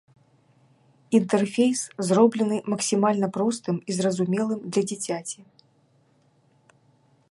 Інтэрфейс зроблены максімальна простым і зразумелым для дзіцяці.